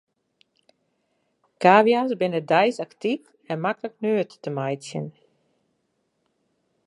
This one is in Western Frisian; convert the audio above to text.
Kavia's binne deis aktyf en maklik nuet te meitsjen.